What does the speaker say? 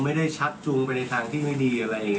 ไม่ได้ชัดจุงไปในทางที่ไม่ดี